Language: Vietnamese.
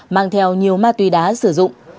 mang theo nhiều ma túy đá sử dụng